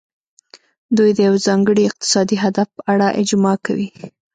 دوی د یو ځانګړي اقتصادي هدف په اړه اجماع کوي